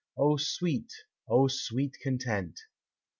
O sweet, O sweet content!